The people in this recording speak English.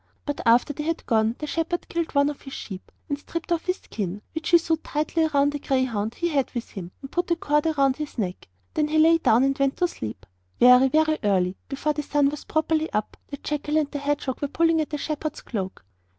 But, after they had gone, the shepherd killed one of his sheep, and stripped off his skin, which he sewed tightly round a greyhound he had with him, and put a cord round its neck. Then he lay down and went to sleep. Very, very early, before the sun was properly up, the jackal and the hedgehog were pulling at the shepherd's cloak.